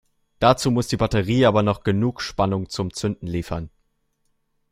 Dazu muss die Batterie aber noch genug Spannung zum Zünden liefern.